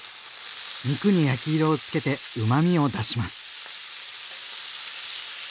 肉に焼き色をつけてうまみを出します。